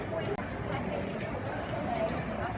มันเป็นสิ่งที่จะให้ทุกคนรู้สึกว่า